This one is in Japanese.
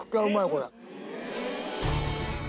これ。